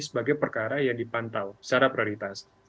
sebagai perkara yang dipantau secara prioritas